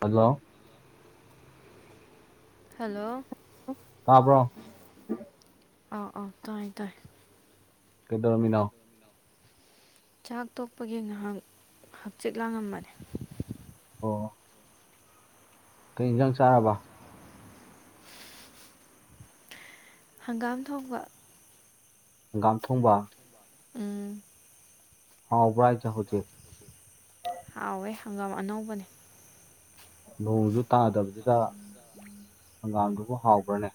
hello hello ꯇꯥꯕꯔꯣ ꯑ ꯑꯣ ꯇꯥꯏ ꯇꯥꯏ ꯀꯩꯗꯧꯔꯝꯃꯤꯅꯣ ꯆꯥꯛ ꯇꯣꯛꯄꯒꯤ ꯉꯥꯏꯍꯥꯛ ꯍꯛꯆꯤꯠ ꯂꯥꯡꯉꯝꯕꯅꯤ ꯑꯣ ꯀꯩ ꯌꯦꯟꯖꯥꯡ ꯆꯥꯔꯕ ꯍꯪꯒꯥꯝ ꯊꯣꯡꯕ ꯍꯪꯒꯥꯝ ꯊꯣꯡꯕ ꯎꯝ ꯍꯥꯎꯕ꯭ꯔꯥ ꯍꯥꯏꯖꯦ ꯍꯧꯖꯤꯛ ꯍꯥꯎꯋꯦ ꯍꯪꯒꯥꯝ ꯑꯅꯧꯕꯅꯦ ꯅꯣꯡꯖꯨ ꯇꯥꯗꯕꯁꯤꯗꯥ ꯍꯪꯒꯥꯝꯗꯨꯕꯨ ꯍꯥꯎꯕ꯭ꯔꯥꯅꯦ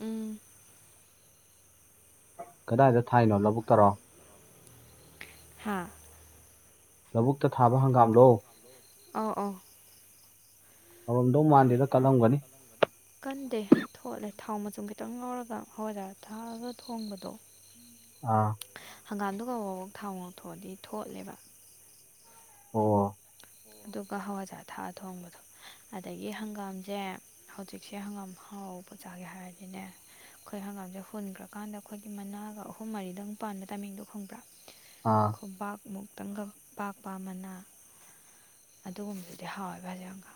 ꯎꯝ ꯀꯗꯥꯏꯗꯥ ꯊꯥꯏꯅꯣ ꯂꯧꯕꯨꯛꯇꯥꯔꯣ ꯍꯥꯥ ꯂꯧꯕꯨꯛꯇꯥ ꯊꯥꯕ ꯍꯪꯒꯥꯝꯂꯣ ꯑꯥꯎ ꯑꯥꯎ ꯍꯥꯎꯔꯝꯗꯧ ꯃꯥꯟꯗꯦꯗꯥ ꯀꯟꯂꯝꯒꯅꯤ ꯀꯟꯗꯦ ꯊꯣꯠꯂꯦ ꯊꯥꯎ ꯃꯆꯨꯝ ꯈꯤꯇꯪ ꯉꯧꯔꯥꯒ ꯍꯋꯥꯏꯖꯥꯔ ꯊꯥꯛꯑꯥꯒ ꯊꯣꯡꯕꯥꯅꯦ ꯑꯥ ꯍꯪꯒꯥꯝꯗꯣ ꯀꯥꯕꯣꯛ ꯀꯥꯕꯣꯛ ꯊꯥꯎ ꯉꯧꯊꯣꯛꯑꯥꯗꯤ ꯊꯣꯠꯂꯦꯕꯥ ꯑꯣ ꯑꯗꯨꯒ ꯍꯋꯥꯏꯖꯥꯔ ꯊꯥꯛꯑꯥ ꯊꯣꯡꯕꯗꯣ ꯑꯗꯥꯒꯤ ꯍꯪꯒꯥꯝꯖꯦ ꯍꯧꯖꯤꯛꯁꯦ ꯍꯪꯒꯥꯝ ꯍꯥꯎꯕ ꯆꯥꯒꯦ ꯍꯥꯏꯔꯥꯗꯤꯅꯦ ꯑꯥꯈꯣꯏ ꯍꯪꯒꯥꯝꯁꯦ ꯍꯨꯟꯒꯔꯥꯀꯥꯟꯗꯥ ꯑꯈꯣꯏꯒꯤ ꯃꯅꯥꯒ ꯑꯍꯨꯝ ꯃꯔꯤꯗꯪ ꯄꯥꯟꯕ ꯇꯥꯏꯃꯤꯡꯗꯣ ꯈꯪꯕ꯭ꯔꯥ ꯑꯥ ꯈꯨꯕꯥꯛ ꯃꯨꯛꯇꯪꯒꯥ ꯄꯥꯛꯄꯥ ꯃꯥꯅ ꯑꯗꯨꯒꯨꯝꯕꯗꯨꯗꯤ ꯍꯥꯎꯋꯦꯕ ꯍꯧꯖꯤꯛ ꯍꯪꯒꯥꯝ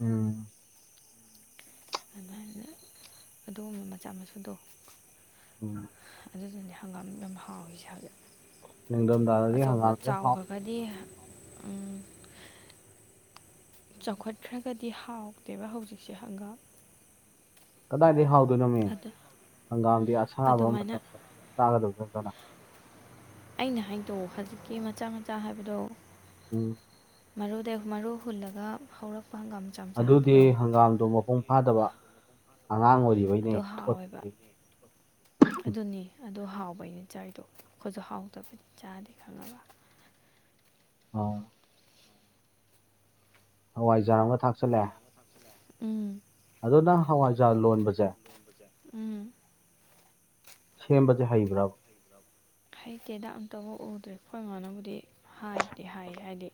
ꯎꯝ ꯑꯗꯨꯃꯥꯏꯅ ꯑꯗꯨꯒꯨꯝꯕꯥ ꯃꯆꯥ ꯃꯁꯨꯗꯣ ꯎꯝ ꯑꯗꯨꯗꯨꯅꯤ ꯍꯪꯒꯥꯝ ꯌꯥꯝ ꯍꯥꯎꯔꯤꯁꯦ ꯍꯧꯖꯤꯛ ꯅꯤꯡꯊꯝꯊꯥꯗꯗꯤ ꯑꯆꯧꯕ ꯍꯪꯒꯥꯝꯁꯦ ꯍꯥꯎ ꯆꯥꯎꯒ ꯕꯥꯗꯤ ꯎꯝ ꯆꯥꯎꯈꯠꯈ꯭ꯔꯥꯒꯥꯗꯤ ꯍꯥꯎꯇꯦꯕ ꯍꯧꯖꯤꯛꯁꯦ ꯍꯪꯒꯥꯝ ꯀꯗꯥꯏꯗꯩ ꯍꯥꯎꯗꯣꯏꯅꯣꯃꯤ ꯑꯗꯨ ꯍꯪꯒꯥꯝꯗꯤ ꯑꯁꯥꯕ ꯑꯗꯨꯃꯥꯏꯅ ꯃꯇꯝꯗꯥ ꯆꯥꯒꯗꯧꯖꯨ ꯅꯠꯇꯅ ꯑꯩꯅ ꯍꯥꯏꯗꯣ ꯍꯧꯖꯤꯛꯀꯤ ꯃꯆꯥ ꯃꯆꯥ ꯍꯥꯏꯕꯗꯣ ꯎꯝ ꯃꯔꯨꯗꯩ ꯃꯔꯨ ꯍꯨꯜꯂꯥꯒ ꯍꯧꯔꯛꯄ‌‌ ꯍꯪꯒꯥꯝ ꯃꯆꯥ ꯃꯆꯥ ꯑꯗꯨꯗꯤ ꯍꯥꯏꯕꯗꯣ ꯍꯪꯒꯥꯝꯗꯣ ꯃꯄꯨꯡ ꯐꯥꯗꯕ ꯑꯉꯥꯡ ꯑꯣꯏꯔꯤ ꯑꯗꯨ ꯍꯥꯎꯋꯦꯕ ꯑꯗꯨꯅꯤ ꯑꯗꯨ ꯍꯥꯎꯕꯩꯅꯤ ꯆꯥꯏꯗꯣ ꯑꯈꯣꯏꯁꯨ ꯍꯥꯎꯇꯥꯕꯗꯤ ꯆꯥꯗꯦ ꯈꯪꯉꯥꯕꯥ ꯑꯣ ꯍꯋꯥꯏꯖꯥꯔ ꯑꯃꯥꯒꯥ ꯊꯥꯛꯆꯜꯂꯣ ꯎꯝ ꯑꯗꯨ ꯅꯪ ꯍꯋꯥꯏꯖꯥꯔ ꯂꯣꯟꯕꯁꯦ ꯎꯝ ꯁꯦꯝꯕꯖꯦ ꯍꯩꯕ꯭ꯔꯥꯕ ꯍꯩꯇꯦꯗꯥ ꯑꯝꯇꯥꯕꯨꯛ ꯎꯗ꯭ꯔꯤ ꯑꯈꯣꯏ ꯃꯥꯅ ꯕꯨꯗꯤ ꯍꯥꯏꯕꯨꯗꯤ ꯍꯥꯏꯌꯦ ꯍꯥꯏꯗꯤ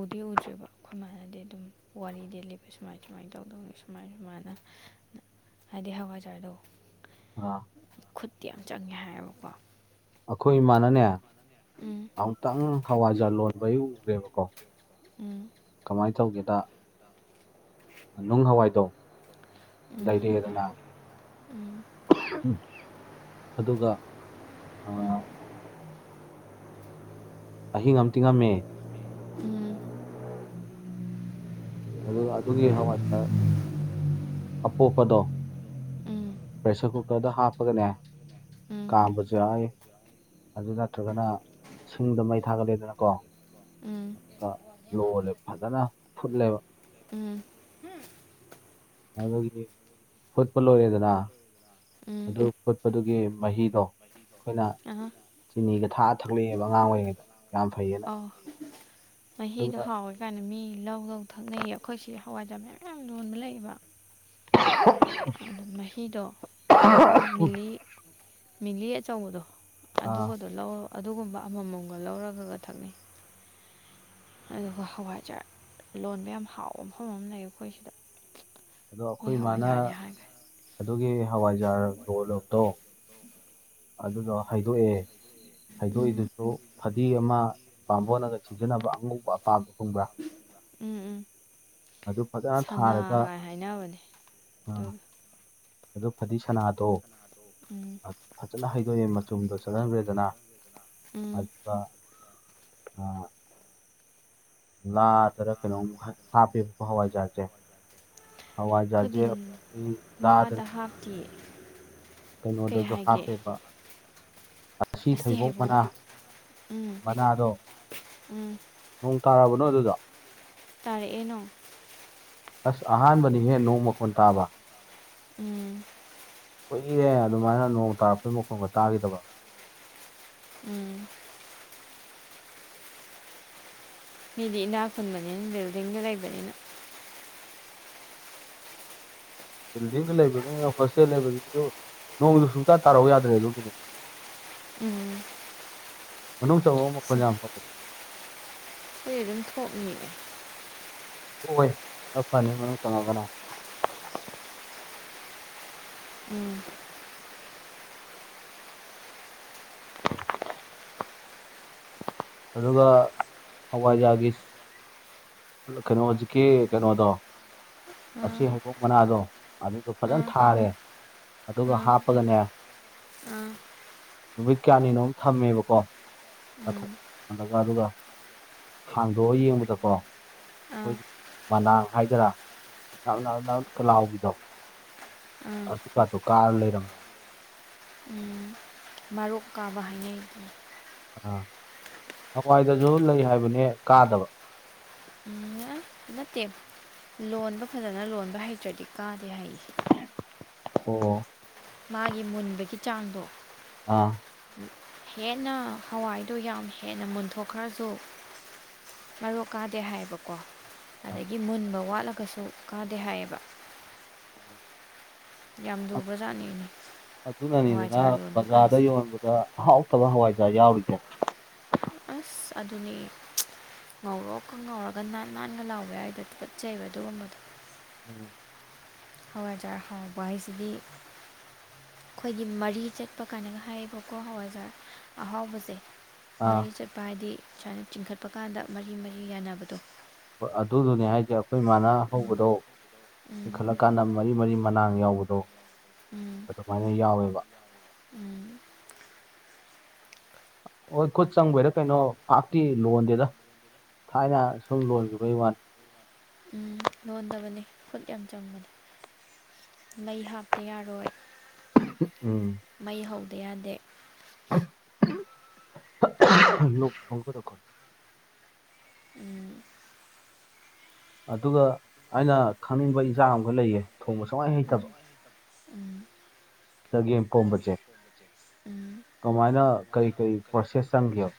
ꯎꯗꯤ ꯎꯗ꯭ꯔꯤꯕ ꯑꯈꯣꯏ ꯃꯥꯅꯥꯗꯤ ꯑꯗꯨꯝ ꯋꯥꯔꯤꯗꯤ ꯂꯤꯕ ꯁꯨꯃꯥꯏ ꯁꯨꯃꯥꯏꯅ ꯇꯧꯗꯧꯅꯤ ꯁꯨꯃꯥꯏ ꯁꯨꯃꯥꯥꯏꯅ ꯍꯥꯏꯗꯤ ꯍꯋꯥꯏꯖꯥꯔꯗꯣ ꯑꯥ ꯈꯨꯠꯇꯤ ꯌꯥꯝ ꯆꯪꯉꯦ ꯍꯥꯏꯌꯦꯕꯀꯣ ꯑꯥꯈꯣꯏ ꯏꯃꯥꯅꯅꯦ ꯎꯝ ꯑꯃꯨꯛꯇꯪ ꯍꯋꯥꯏꯖꯥꯔ ꯂꯣꯟꯕ ꯎꯈ꯭ꯔꯦꯕꯀꯣ ꯎꯝ ꯀꯃꯥꯏ ꯇꯧꯒꯦꯗꯥ ꯅꯨꯡ ꯍꯋꯥꯏꯗꯣ ꯎꯝ ꯂꯩꯔꯛꯑꯦꯗꯥꯅ ꯎꯝ ꯑꯗꯨꯒꯥ ꯑꯥ ꯑꯍꯤꯡ ꯑꯃꯥ ꯇꯤꯡꯉꯝꯃꯦ ꯎꯝ ꯑꯗꯨꯒꯥ ꯑꯗꯨꯒꯤ ꯍꯋꯥꯏꯗꯥ ꯑꯄꯣꯞꯄꯥꯗꯣ ꯄ꯭ꯔꯦꯁꯔ ꯀꯨꯀꯥꯔꯗ ꯍꯥꯞꯄꯥꯒꯅꯦ ꯀꯥꯝꯕꯁꯨ ꯌꯥꯢ ꯑꯗꯨ ꯅꯠꯇ꯭ꯔꯒꯅ ꯁꯤꯡꯗ ꯃꯩ ꯊꯥꯒꯠꯂꯦꯗꯅ ꯀꯣ ꯎꯝ ꯂꯣꯂꯦ ꯐꯖꯅ ꯐꯨꯠꯂꯦꯕ ꯎꯝ ꯑꯗꯨꯒꯤꯗꯤ ꯐꯨꯠꯄ ꯂꯣꯏꯔꯦꯗꯅ ꯎꯝ ꯑꯗꯨ ꯐꯨꯠꯄꯗꯨꯒꯤ ꯃꯍꯤꯗꯣ ꯑꯩꯈꯣꯏꯅ ꯑꯍ ꯆꯤꯅꯤꯒ ꯍꯥꯞꯄꯒ ꯊꯥ ꯊꯛꯂꯛꯑꯦꯕ ꯑꯉꯥꯡ ꯑꯣꯏꯔꯤꯉꯩꯗ ꯌꯥꯝ ꯐꯩꯌꯦ ꯑꯣ ꯃꯍꯤꯗꯣ ꯍꯥꯎꯋꯦ ꯀꯥꯟꯅ ꯃꯤ ꯂꯧ ꯂꯧ ꯊꯛꯅꯩꯌꯦ ꯑꯩꯈꯣꯏꯁꯤ ꯍꯋꯥꯏꯖꯥꯔ ꯃꯌꯥꯝ ꯃꯌꯝ ꯂꯣꯟꯕ ꯂꯩꯌꯦꯕ ꯑ [unintelligible] ꯑꯗꯨ ꯃꯍꯤꯗꯣ ꯑꯩꯈꯣꯏ ꯃꯤꯂꯤ ꯃꯤꯂꯤ ꯑꯆꯧꯕꯗꯣ ꯑꯥ ꯑꯗꯨꯒꯗꯣ ꯂꯧ ꯑꯗꯨꯒꯨꯝꯕ ꯑꯃꯃꯝꯒ ꯂꯧꯔꯒꯒ ꯊꯛꯅꯩ ꯑꯗꯨꯒ ꯍꯋꯥꯏꯖꯔ ꯂꯣꯟꯕ ꯌꯥꯝ ꯍꯥꯎꯕ ꯃꯐꯝ ꯑꯃ ꯂꯩ ꯑꯩꯈꯣꯏ ꯁꯤꯗ ꯑꯗꯣ ꯃꯣꯏ ꯑꯩꯈꯣꯏ ꯏꯃꯥꯅ ꯍꯋꯥꯏꯖꯥꯔꯅꯦ ꯍꯥꯏꯕꯅꯦ ꯑꯗꯨꯒꯤ ꯍꯋꯥꯏꯖꯥꯔ ꯒꯣꯂꯣꯇꯣ ꯑꯗꯨꯗꯣ ꯍꯥꯏꯗꯣꯛꯑꯦ ꯎꯝ ꯍꯩꯗꯣꯛꯏꯗꯨꯁꯨ ꯐꯥꯗꯤ ꯑꯃ ꯕꯥꯝꯕꯣꯟꯅꯒ ꯁꯤꯖꯤꯟꯅꯕ ꯑꯉꯧꯕ ꯑꯄꯥꯕ ꯈꯪꯕ꯭ꯔꯥ ꯎꯝ ꯎꯝ ꯑꯗꯨ ꯐꯖꯅ ꯊꯥꯔꯒ ꯁꯟꯅꯥꯒꯥꯏ ꯍꯥꯏꯅꯕꯅꯦ ꯑꯗꯨꯗꯣ ꯎꯝ ꯑꯗꯨ ꯐꯗꯤ ꯁꯅꯥꯗꯣ ꯎꯝ ꯐꯖꯅ ꯍꯩꯗꯣꯛꯑꯦ ꯃꯆꯨꯝꯗꯣ ꯆꯠꯍꯟꯈ꯭ꯔꯦꯗꯅ ꯑ ꯎꯝ ꯑ [unintelligible] ꯂꯥꯗꯔ ꯀꯩꯅꯣꯝꯃ ꯍꯥꯞꯄꯦ ꯍꯋꯥꯏꯆꯥꯔꯖꯦ ꯍꯋꯥꯢꯖꯥꯔꯁꯦ [unintelligible] ꯍꯥꯞꯇꯦꯌꯦ ꯀꯩꯅꯣꯗꯁꯨ ꯍꯥꯞꯄꯦꯕ ꯑꯁꯤ ꯊꯩꯕꯣꯛ ꯃꯅꯥ ꯎꯝ ꯃꯅꯥꯗꯣ ꯎꯝ ꯅꯣꯡ ꯇꯥꯔꯕꯣ ꯅꯣꯢ ꯑꯗꯨꯗ ꯇꯥꯔꯛꯑꯦ ꯅꯣꯡ ꯑꯁ ꯑꯍꯥꯟꯕꯅꯤꯍꯦ ꯅꯣꯡ ꯃꯈꯣꯟ ꯇꯥꯕ ꯎꯝ ꯀꯨꯏꯔꯦ ꯑꯗꯨꯃꯥꯏꯅ ꯅꯣꯡ ꯇꯥꯔꯛꯄꯩ ꯃꯈꯣꯡꯒ ꯇꯥꯈꯤꯗꯕ ꯎꯝ ꯃꯤꯗꯤ ꯏꯅꯥꯛ ꯈꯨꯟꯕꯅꯤꯟꯅ ꯕꯤꯜꯕꯗꯤꯡꯒ ꯔꯏꯕꯅꯤꯅ ꯕꯤꯜꯗꯤꯡꯗꯨ ꯂꯩꯕꯅꯤꯅ ꯍꯣꯁꯇꯦꯜ ꯂꯩꯕꯖꯤꯖꯨ ꯅꯣꯡꯗꯨ ꯁꯨꯡꯇꯥ ꯇꯥꯔꯧ ꯌꯥꯗ꯭ꯔꯦ ꯑꯗꯨꯒꯤꯅꯦ [inaudible] ꯎꯝ ꯃꯅꯨꯡ ꯆꯪꯉꯛꯑꯣ ꯃꯈꯣꯜ ꯌꯥꯝ ꯍꯧꯋꯦ [unintelligible] ꯑꯗꯨꯝ ꯊꯣꯛꯅꯤꯌꯦ ꯊꯣꯛꯑꯣꯏ ꯈꯔ ꯐꯅꯤ ꯃꯅꯨꯡ ꯆꯪꯉꯛꯑꯒꯅ ꯎꯝ ꯑꯗꯨꯒ ꯍꯋꯥꯏꯖꯥꯒꯤ ꯀꯩꯅꯣ ꯖꯤꯛꯀꯤ ꯀꯩꯅꯣꯗꯣ ꯑꯁꯤ ꯎꯝ ꯍꯩꯕꯣꯡ ꯃꯅꯥꯗꯣ ꯑꯗꯨꯗꯣ ꯐꯖꯅ ꯎꯝ ꯊꯥꯔꯦ ꯑꯗꯨꯒ ꯎꯝ ꯍꯥꯞꯄꯒꯅꯦ ꯑꯥ ꯅꯨꯃꯤꯠ ꯀꯌꯥꯅꯤꯅꯣꯝ ꯊꯝꯃꯦꯕꯀꯣ ꯎꯝ ꯃꯊꯠꯂꯒ ꯑꯗꯨꯒ ꯍꯥꯡꯗꯣꯛꯑ ꯌꯦꯡꯕꯗꯀꯣ ꯑꯥ ꯈꯣꯏꯒꯤ ꯃꯅꯥꯥꯡ ꯍꯥꯏꯗꯔꯥ ꯅꯞ ꯅꯞ ꯅ ꯀ ꯂꯥꯎꯕꯤꯗꯣ ꯑꯥ ꯑꯗꯨꯀꯥꯗꯣ ꯀꯥ ꯂꯩꯔꯝꯃꯦꯕ ꯎꯝ ꯃꯔꯣꯛ ꯀꯥꯕ ꯍꯥꯏꯅꯩ ꯑꯗꯨꯗꯣ ꯑꯥ ꯍꯋꯥꯏꯗꯖꯨ ꯂꯩ ꯍꯥꯏꯕꯅꯦ ꯀꯥꯗꯕ ꯎꯝ ꯅꯠꯇꯦ ꯂꯣꯟꯗꯣ ꯐꯖꯅ ꯂꯣꯟꯕ ꯍꯩꯇ꯭ꯔꯗꯤ ꯀꯥꯗꯦ ꯍꯥꯏꯌꯦ ꯑꯣ ꯃꯥꯒꯤ ꯃꯨꯟꯕꯒꯤ ꯆꯥꯡꯗꯣ ꯑꯥ ꯍꯦꯟꯅ ꯍꯋꯥꯏꯗꯣ ꯌꯥꯝ ꯍꯦꯟꯅ ꯃꯨꯟꯊꯣꯛꯈ꯭ꯔꯖꯨ ꯃꯔꯣꯛ ꯀꯥꯗꯦ ꯍꯥꯏꯌꯦꯕꯀꯣ ꯑꯗꯒꯤ ꯃꯨꯟꯕ ꯋꯥꯠꯂꯒꯁꯨ ꯀꯥꯗꯦ ꯍꯥꯏꯌꯦꯕ ꯌꯥꯝ ꯂꯨꯕꯖꯥꯠꯅꯤꯅꯦ ꯑꯗꯨꯅꯅꯤꯗꯅ ꯍꯋꯥꯏꯖꯥꯔ ꯂꯣꯟꯕ ꯕꯖꯥꯔꯗ ꯀꯥꯏꯁꯦ ꯌꯣꯟꯕꯗ ꯑꯍꯥꯎꯇꯕ ꯍꯋꯥꯏꯖꯥꯔ ꯌꯥꯎꯔꯤꯖꯦ ꯑꯁ ꯑꯗꯨꯅꯦ ꯉꯧꯔꯣꯛꯀ ꯉꯧꯔꯒ ꯅꯥꯟ ꯅꯥꯟꯒ ꯂꯥꯎꯕ ꯌꯥꯎꯔꯤꯗꯣ ꯇꯨꯀꯠꯆꯩꯩꯕ ꯑꯗꯨꯒꯨꯝꯕꯗꯣ ꯎꯝ ꯍꯧꯋꯥꯏꯖꯥ ꯍꯥꯎꯕ ꯍꯥꯏꯁꯤꯗꯤ ꯈꯣꯏꯒꯤ ꯃꯔꯤ ꯆꯠꯄ ꯀꯥꯏꯅꯒ ꯍꯥꯏꯌꯦꯕꯀꯣ ꯍꯋꯥꯏꯖꯥꯔ ꯑꯍꯥꯎꯕꯁꯦ ꯑꯥ ꯃꯔꯤ ꯆꯠꯄ ꯍꯥꯏꯗꯤ ꯁꯨꯃꯥꯏꯅ ꯆꯤꯡꯈꯠꯄ ꯀꯥꯟꯗ ꯃꯔꯤ ꯃꯔꯤ ꯌꯥꯅꯕꯗꯣ ꯍꯣꯏ ꯑꯗꯨꯗꯨꯅꯦ ꯍꯥꯏꯖꯦ ꯑꯈꯣꯏꯃꯥꯅ ꯎꯝ ꯍꯧꯕꯗꯣ ꯎꯝ ꯆꯤꯡꯈꯠꯂꯀꯥꯟꯗ ꯃꯔꯤ ꯃꯔꯤ ꯃꯅꯥꯡ ꯌꯥꯎꯕꯗꯣ ꯎꯝ ꯑꯗꯨꯃꯥꯏꯅ ꯌꯥꯎꯋꯦꯕ ꯎꯝ ꯍꯣꯏ ꯈꯨꯠ ꯆꯪꯕꯩꯔ ꯀꯩꯅꯣ ꯄꯥꯥꯛꯇꯤ ꯂꯣꯟꯗꯦꯗ ꯊꯥꯏꯅ ꯁꯨꯝ ꯂꯣꯟꯒꯤꯕꯩ ꯋꯥꯅꯤ ꯎꯝ ꯂꯣꯟꯗꯕꯅꯤ ꯈꯨꯠ ꯌꯥꯝ ꯆꯪꯕꯅꯤ ꯂꯩ ꯍꯥꯞꯇ ꯌꯥꯔꯣꯏ ꯎꯝ ꯃꯩ ꯍꯧꯗ ꯌꯥꯗꯦ [unintelligible] ꯎꯝ ꯑꯗꯨꯒ ꯑꯩꯅ ꯈꯪꯅꯤꯡꯕ ꯏꯟꯖꯥꯡ ꯑꯃꯒ ꯂꯩꯌꯦ ꯊꯣꯡꯕ ꯁꯨꯡꯍꯩ ꯍꯩꯇꯕ ꯎꯝ ꯎꯝ ꯆꯒꯦꯝꯄꯣꯝꯕꯖꯦ ꯎꯝ ꯀꯃꯥꯏꯅ ꯀꯩ ꯀꯩ ꯄ꯭ꯔꯣꯁꯦꯁ ꯆꯪꯒꯦꯕ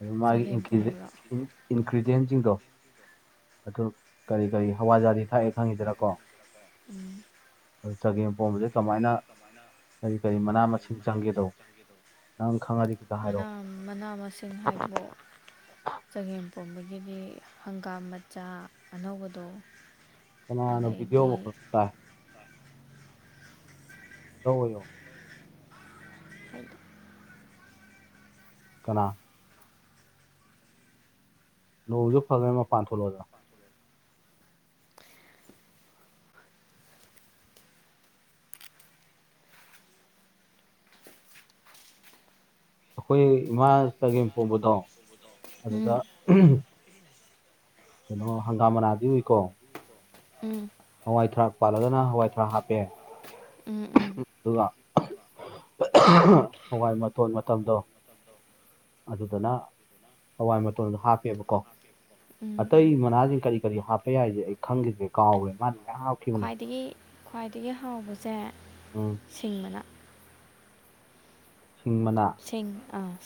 ꯑꯗꯨ ꯃꯥꯒꯤ ꯆꯒꯦꯝ ꯄꯣꯝꯕ꯭ꯔꯣ ꯏꯟꯒ꯭ꯔꯤꯗ꯭ꯌꯦꯟꯁꯤꯡꯗꯣ ꯑꯗꯨ ꯀꯔꯤ ꯀꯔꯤ ꯍꯋꯥꯢꯖꯥꯔꯗꯤ ꯊꯥꯛꯋꯤ ꯈꯪꯉꯤꯗꯅ ꯀꯣ ꯎꯝ ꯑꯗꯨ ꯆꯥꯒꯦꯝ ꯄꯣꯝꯕꯁꯤ ꯀꯃꯥꯏꯅ ꯀꯔꯤ ꯀꯔꯤ ꯃꯅꯥ ꯃꯁꯤꯡ ꯆꯪꯒꯦꯗꯣ ꯅꯪ ꯈꯪꯉꯗꯤ ꯈꯤꯇ ꯍꯥꯏꯔꯛꯑꯣ ꯃꯅꯥ ꯃꯁꯤꯡ ꯍꯥꯏꯕꯨ ꯆꯒꯦꯝ ꯄꯣꯝꯕꯒꯤꯗꯤ ꯍꯪꯒꯥꯝ ꯃꯆꯥ ꯑꯅꯧꯕꯗꯣ ꯀꯅꯥꯅꯣ ꯚꯤꯗꯤꯑꯣ ꯑꯗꯩꯗꯤ ꯃꯗꯣꯜ ꯇꯥꯏ ꯂꯧ [unintelligible] ꯑꯣꯏꯌꯣ ꯀꯅꯥ ꯅꯣꯡꯖꯨ ꯐꯥꯈ꯭ꯔꯦ ꯃꯄꯥꯜ ꯊꯣꯛꯂꯛꯑꯣ ꯑꯩꯈꯣꯏ ꯏꯃꯥ ꯆꯒꯦꯝ ꯄꯣꯝꯕꯗꯣ ꯑꯗꯨꯗ ꯎꯝ ꯀꯩꯅꯣ ꯍꯪꯒꯥꯝ ꯃꯅꯥꯗꯤ ꯎꯨꯏꯀꯣ ꯎꯝ ꯍꯋꯥꯏ ꯊꯔꯥꯛ ꯄꯥꯜꯂꯒꯅ ꯍꯋꯥꯏ ꯊꯔꯥꯛ ꯍꯥꯞꯄꯦ ꯎꯝ ꯎꯝ ꯑꯗꯨꯒ ꯍꯋꯥꯏ ꯃꯇꯣꯟ ꯃꯇꯝꯗꯣ ꯑꯗꯨꯗꯅ ꯍꯋꯥꯏ ꯃꯇꯣꯟꯗꯣ ꯍꯥꯞꯄꯦꯕꯀꯣ ꯎꯝ ꯑꯇꯩ ꯃꯅꯥꯁꯤꯡ ꯀꯔꯤ ꯀꯔꯤ ꯍꯥꯞꯄ ꯌꯥꯏꯁꯦ ꯑꯩ ꯈꯪꯈꯤꯁꯦ ꯀꯥꯎꯋꯦ ꯃꯥꯗꯤ ꯃꯌꯥꯝ ꯍꯥꯞꯈꯤꯕꯅꯤ ꯈ꯭ꯋꯥꯏꯗꯒꯤ ꯈ꯭ꯋꯥꯏꯗꯒꯤ ꯍꯥꯎꯕꯁꯦ ꯑꯝ ꯁꯤꯡ ꯃꯅꯥ ꯁꯤꯡ ꯃꯅꯥ ꯁꯤꯡ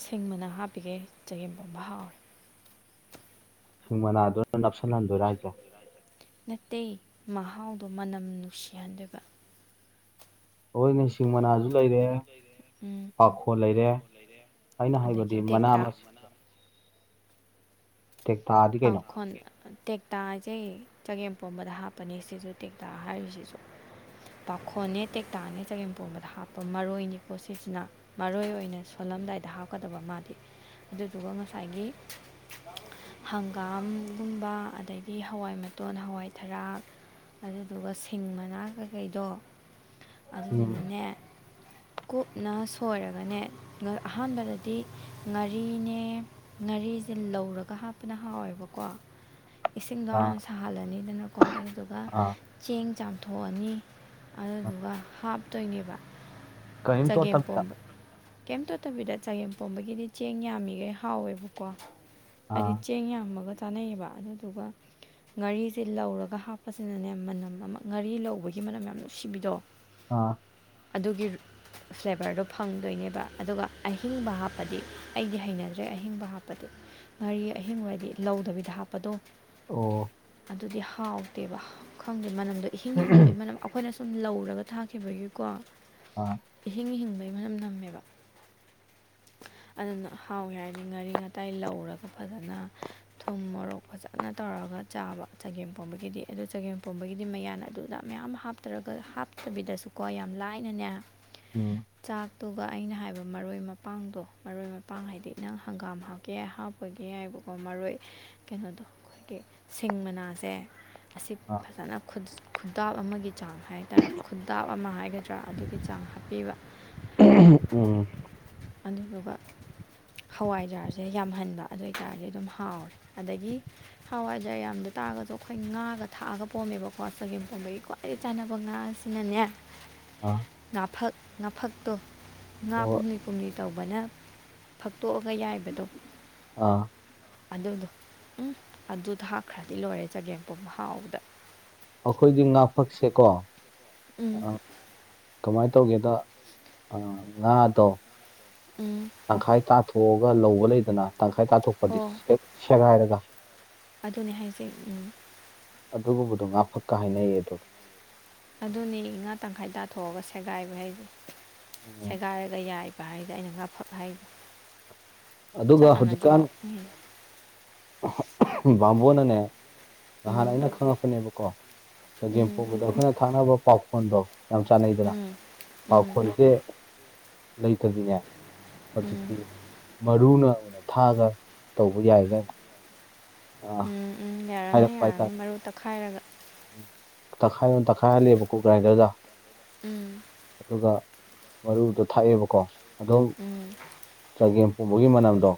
ꯁꯤꯡ ꯃꯅꯥ ꯍꯥꯞꯄꯤꯒꯩ ꯆꯒꯦꯝ ꯄꯣꯝꯕ ꯍꯥꯎꯋꯦ ꯍꯤꯡ ꯃꯅꯥꯗꯨꯅ ꯅꯞꯁꯤꯜꯍꯟꯗꯣꯏꯔꯥ ꯍꯥꯏꯁꯦ ꯅꯠꯇꯦ ꯃꯍꯥꯎꯗꯣ ꯃꯅꯝ ꯅꯨꯡꯁꯤꯍꯟꯗꯨꯢꯕ ꯍꯣꯏꯅꯦ ꯁꯤꯡ ꯃꯅꯥꯖꯨ ꯂꯩꯔꯦ ꯎꯝ ꯄꯥꯈꯣꯜ ꯂꯩꯔꯦ ꯑꯩꯅ ꯍꯥꯏꯕꯗꯤ ꯑꯗꯒꯤ ꯃꯅꯥ ꯇꯦꯛꯇꯥ ꯃꯁꯤꯡ ꯇꯦꯛꯇꯥ ꯄꯥꯈꯣꯟ ꯇꯦꯛꯇꯥ ꯖꯦ ꯆꯒꯦꯝ ꯄꯣꯝꯕꯗ ꯍꯥꯞꯄꯅꯦ ꯁꯤꯁꯨ ꯇꯦꯛꯇꯥ ꯍꯥꯏꯔꯤꯁꯤꯁꯨ ꯄꯥꯈꯣꯟꯅꯦ ꯇꯦꯛꯇꯥꯅꯦ ꯆꯒꯦꯝ ꯄꯣꯝꯕꯗ ꯍꯥꯞꯄ ꯃꯔꯣꯏꯅꯤꯀꯣ ꯁꯤꯁꯤꯅ ꯃꯔꯣꯏ ꯑꯣꯏꯅ ꯁꯣꯜꯂꯝꯗꯥꯏꯗ ꯍꯥꯞꯀꯗꯕ ꯃꯥꯗꯤ ꯑꯗꯨꯗꯨꯒ ꯉꯁꯥꯏꯒꯤ ꯍꯪꯒꯥꯝꯒꯨꯝꯕ ꯑꯗꯒꯤ ꯍꯋꯥꯏ ꯃꯇꯣꯟ ꯍꯋꯥꯏ ꯊꯔꯥꯛ ꯑꯗꯨꯗꯨꯒ ꯁꯤꯡ ꯃꯅꯥ ꯀꯩꯀꯩꯗꯣ ꯎꯝ ꯑꯗꯨꯗꯨꯒꯅꯦ ꯀꯨꯞꯅ ꯁꯣꯏꯔꯒꯅꯦ ꯉ ꯑꯍꯥꯟꯕꯗꯗꯤ ꯉꯥꯔꯤꯅꯦ ꯉꯥꯔꯤꯖꯦ ꯂꯧꯔꯒ ꯍꯥꯞ ꯄꯅ ꯍꯥꯎꯋꯦꯕꯀꯣ ꯏꯁꯤꯡꯗꯣ ꯑꯥ ꯍꯥꯟꯅ ꯁꯥꯍꯜꯂꯅꯤꯗꯅꯀꯣ ꯑꯗꯨꯗꯨꯒ ꯑꯥ ꯆꯦꯡ ꯆꯥꯝꯊꯣꯛꯑꯅꯤ ꯑꯥ ꯑꯗꯨꯗꯨꯒ ꯍꯥꯞꯇꯣꯏꯅꯦꯕ ꯀꯔꯤꯝ ꯇꯣꯠꯇꯕꯤꯗ ꯆꯒꯦꯝꯄꯣꯝꯕ ꯀꯦꯝ ꯇꯣꯠꯇꯕꯤꯗ ꯆꯒꯦꯝꯄꯣꯝꯕꯒꯤꯗꯤ ꯆꯦꯡ ꯌꯥꯝꯃꯤꯒꯩ ꯍꯥꯎꯋꯦꯕꯀꯣ ꯍꯥꯏꯗꯤ ꯑꯥ ꯆꯦꯡ ꯌꯥꯝꯃꯒ ꯆꯥꯟꯅꯩꯌꯦꯕ ꯑꯗꯨꯗꯨꯒ ꯉꯥꯔꯤꯁꯦ ꯂꯧꯔꯒ ꯍꯥꯞꯄꯁꯤꯅꯅꯦ ꯃꯅꯝ ꯑꯃ ꯉꯥꯔꯤ ꯂꯧꯕꯒꯤ ꯃꯅꯝ ꯌꯥꯝ ꯅꯨꯡꯁꯤꯕꯤꯗꯣ ꯑꯥ ꯑꯗꯨꯒꯤ ꯐ꯭ꯂꯦꯕꯔꯗꯣ ꯐꯪꯗꯣꯏꯅꯦꯕ ꯑꯗꯨꯒ ꯑꯍꯤꯡꯕ ꯍꯥꯞꯄꯗꯤ ꯑꯩꯗꯤ ꯍꯩꯅꯗ꯭ꯔꯦ ꯑꯍꯤꯡꯕ ꯍꯥꯞꯄꯗꯤ ꯉꯥꯔꯤ ꯑꯍꯤꯡꯕ ꯑꯣꯏꯗꯤ ꯂꯧꯗꯕꯤꯗ ꯍꯥꯞꯄꯗꯣ ꯑꯣ ꯑꯗꯨꯗꯤ ꯍꯥꯎꯇꯦꯕ ꯈꯪꯗꯦ ꯃꯅꯝꯗꯣ ꯏꯍꯤꯡ ꯍꯤꯡꯕꯩ ꯃꯅꯝ ꯑꯩꯈꯣꯏꯅ ꯂꯧꯔꯒ ꯊꯥꯛꯈꯤꯕꯒꯤꯀꯣ ꯑꯥ ꯏꯍꯤꯡ ꯍꯤꯡꯕꯩ ꯃꯅꯝ ꯅꯝꯃꯦꯕ ꯑꯗꯨꯅ ꯍꯥꯎꯒꯦ ꯍꯥꯏꯔꯗꯤ ꯉꯥꯔꯤ ꯉꯥꯇꯥꯏ ꯂꯧꯔꯒ ꯐꯖꯅ ꯊꯨꯝ ꯃꯣꯔꯣꯛ ꯐꯖꯅ ꯇꯧꯔꯒ ꯆꯥꯕ ꯆꯒꯦꯝ ꯄꯣꯝꯕꯒꯤꯗꯤ ꯑꯗꯨ ꯆꯒꯦꯝ ꯄꯣꯝꯕꯒꯤꯗꯤ ꯃꯌꯥꯟ ꯑꯗꯨ ꯗ ꯃꯌꯥꯝ ꯍꯥꯞꯇꯔꯒ ꯍꯥꯞꯇꯕꯤꯗꯁꯨꯀꯣ ꯌꯥꯝ ꯂꯥꯏꯅꯅꯦ ꯎꯝ ꯆꯥꯛꯇꯨꯒ ꯑꯩꯅ ꯍꯥꯏꯕ ꯃꯔꯣꯏ ꯃꯄꯥꯡꯗꯣ ꯃꯔꯣꯏ ꯃꯄꯥꯡ ꯍꯥꯏꯗꯤ ꯅꯪ ꯍꯪꯒꯥꯝ ꯍꯥꯞꯀꯦ ꯍꯥꯞ ꯈꯣꯏꯒꯤ ꯍꯥꯏꯕꯀꯣ ꯃꯔꯣꯏ ꯀꯩꯅꯣꯗꯣ ꯑꯩꯈꯣꯏꯒꯤ ꯁꯤꯡ ꯃꯅꯥꯁꯦ ꯑꯁꯤ ꯑꯥ ꯐꯖꯅ ꯈꯨꯗꯥꯞ ꯑꯃꯒꯤ ꯆꯥꯡ ꯍꯥꯏꯇꯥꯔꯦ ꯈꯨꯗꯥꯞ ꯑꯃ ꯍꯥꯏꯒ ꯗ꯭ꯔꯥ ꯑꯗꯨꯒꯤ ꯆꯥꯡ ꯍꯥꯞꯄꯤꯕ ꯎꯝ ꯎꯝ ꯑꯗꯨꯗꯨꯒ ꯍꯋꯥꯏꯖꯥꯔꯁꯦ ꯌꯥꯝꯍꯟꯕ ꯑꯗꯨꯏꯇꯥꯔꯗꯤ ꯑꯗꯨꯝ ꯍꯥꯎꯔꯦ ꯑꯗꯒꯤ ꯍꯋꯥꯏꯖꯥꯔ ꯌꯥꯝꯗ ꯇꯥꯒꯁꯨ ꯑꯩꯈꯣꯏ ꯉꯥꯒ ꯊꯥꯛꯑꯒ ꯄꯣꯝꯃꯦꯕꯀꯣ ꯆꯒꯦꯝ ꯄꯣꯝꯕꯒꯤꯀꯣ ꯗꯩ ꯆꯥꯅꯕ ꯉꯥꯁꯤꯅꯅꯦ ꯑꯥ ꯅꯥꯐꯛ ꯉꯥꯐꯛꯇꯣ ꯉꯥ ꯑꯣ ꯄꯨꯝꯂꯤ ꯄꯨꯝꯂꯤ ꯇꯧꯕꯅ ꯐꯛꯇꯣꯛꯑꯒ ꯌꯥꯏꯕꯗꯣ ꯑꯥ ꯑꯗꯨꯗꯣ ꯎꯝ ꯑꯗꯨ ꯊꯥꯛꯈ꯭ꯔꯗꯤ ꯂꯣꯏꯔꯦ ꯆꯒꯦꯝꯄꯣꯝꯕ ꯍꯥꯎꯕꯗ ꯑꯩꯈꯣꯏꯒꯤ ꯉꯥꯐꯛꯁꯦꯀꯣ ꯑ ꯎꯝ ꯀꯃꯥꯏ ꯇꯧꯒꯦꯗ ꯑ ꯉꯥꯗꯣ ꯎꯝ ꯇꯪꯈꯥꯏ ꯇꯥꯊꯣꯛꯑꯒ ꯂꯧꯕ ꯂꯩꯗꯅ ꯇꯪꯈꯥꯏ ꯇꯥꯊꯣꯛꯄꯗꯤ ꯍꯣ ꯁꯦ ꯁꯦꯒꯥꯏꯔꯒ ꯑꯗꯨꯅꯦ ꯍꯥꯏꯁꯦ ꯎꯝ ꯑꯗꯨꯒꯨꯝꯕꯗꯣ ꯉꯥꯐꯛꯀ ꯍꯥꯏꯅꯩꯌꯦ ꯑꯗꯨ ꯑꯗꯨꯅꯤ ꯉꯥ ꯇꯪꯈꯥꯏ ꯇꯥꯊꯣꯛꯑꯒ ꯁꯦꯒꯥꯏꯕ ꯍꯥꯏꯁ ꯎꯝ ꯁꯦꯒꯥꯏꯔꯒ ꯌꯥꯏ ꯍꯥꯏꯗ ꯑꯩꯅ ꯉꯥ ꯐꯛ ꯍꯥꯢꯗꯣ ꯑꯗꯨꯒ ꯆꯞ ꯃꯥꯟꯅꯗ꯭ꯔꯣ ꯍꯧꯖꯤꯛꯀꯥꯟ ꯃꯤ ꯕꯥꯝꯕꯣꯟꯅꯅꯦ ꯅꯍꯥꯟ ꯎꯝ ꯑꯩꯅ ꯈꯪꯉꯛꯄꯅꯦꯕ ꯀꯣ ꯆꯒꯦꯝ ꯎꯝ ꯄꯣꯛꯕꯗ ꯑꯩꯈꯣꯏꯅ ꯊꯥꯅꯕ ꯄꯥꯎꯈꯣꯟꯗꯣ ꯌꯥꯝ ꯆꯥꯟꯅꯩꯗꯅ ꯎꯝ ꯎꯝ ꯄꯥꯎꯈꯣꯟꯁꯦ ꯂꯩꯇ꯭ꯔꯗꯤꯅꯦ ꯎꯝ ꯍꯧꯖꯤꯛꯇꯤ ꯃꯔꯨꯅ ꯑꯣꯏꯅ ꯊꯥꯛꯑꯒ ꯇꯧꯕ ꯌꯥꯏꯒ ꯎꯝ ꯑꯥ ꯎꯝ ꯌꯥꯔꯅꯤ ꯌꯥꯔꯅꯤ ꯃꯔꯨ ꯇꯥꯛꯈꯥꯏꯔꯒ ꯎꯝ ꯇꯈꯥꯏꯌꯣꯅ ꯇꯛꯈꯥꯏꯍꯜꯂꯦꯕꯀꯣ ꯒ꯭ꯔꯥꯏꯟꯗ꯭ꯔꯗ ꯎꯝ ꯑꯗꯨꯒ ꯃꯔꯨꯗꯣ ꯊꯥꯛꯑꯦꯕꯀꯣ ꯑꯗꯝ ꯎꯝ ꯆꯒꯦꯝ ꯄꯣꯝꯕꯒꯤ ꯃꯅꯝꯗꯣ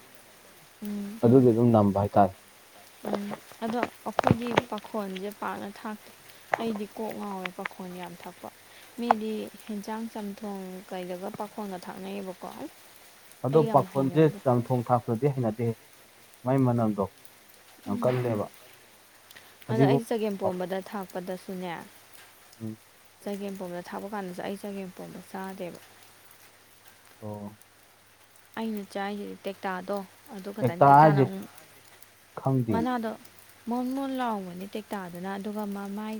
ꯎꯝ ꯑꯗꯨꯗꯤ ꯑꯗꯨꯝ ꯅꯝꯕ ꯍꯥꯏꯇꯥꯔꯦ ꯎꯝ ꯑꯗꯣ ꯑꯩꯈꯣꯏꯒꯤ ꯄꯥꯈꯣꯟꯁꯦ ꯄꯥꯛꯅ ꯊꯥꯛꯇꯦ ꯑꯩꯗꯤ ꯀꯣꯛ ꯉꯥꯎꯋꯦ ꯄꯥꯈꯣꯟ ꯌꯥꯝ ꯊꯛꯄ ꯃꯤꯗꯤ ꯌꯦꯟꯁꯥꯡ ꯆꯝꯊꯣꯡ ꯀꯩꯗꯒ ꯄꯥꯈꯣꯡꯒ ꯊꯥꯛꯅꯩꯑꯌꯦꯕꯀꯣ ꯑꯩ ꯑꯗꯣ ꯌꯥꯝ ꯄꯥꯈꯣꯟꯁꯦ ꯍꯩꯅꯗꯦ ꯆꯝꯊꯣꯡ ꯊꯥꯛꯇꯗꯤ ꯍꯩꯅꯗꯦ ꯃꯥꯏ ꯃꯅꯝꯗꯣ ꯌꯥꯝ ꯎꯝ ꯀꯜꯂꯦꯕ ꯑꯗꯣ ꯐꯗꯤꯒꯣꯝ ꯑꯩ ꯆꯒꯦꯝ ꯍꯥꯎ- ꯄꯣꯝꯕꯗ ꯊꯥꯛ ꯊꯛꯄꯗꯁꯨꯅꯦ ꯎꯝ ꯆꯒꯦꯝꯄꯣꯝꯗ ꯊꯥꯛꯄ ꯀꯥꯟꯗꯁꯨ ꯑꯩ ꯆꯒꯦꯝꯄꯣꯝꯝꯕ ꯆꯥꯗꯦꯕ ꯑꯣ ꯑꯩꯅ ꯆꯥꯏꯁꯦ ꯇꯦꯛꯇꯥꯗꯣ ꯑꯗꯨ ꯈꯇꯪꯅꯤ ꯇꯦꯛꯇꯥ ꯇꯦꯛ ꯇꯥꯅꯨ ꯍꯥꯏꯁꯦ ꯈꯪꯗꯦ ꯃꯅꯥꯗꯣ ꯃꯣꯟ ꯃꯣꯟ ꯂꯥꯎꯕꯅꯤ ꯇꯦꯛꯇꯇꯥꯗꯨꯅ ꯑꯗꯨꯒ ꯃꯃꯥꯏ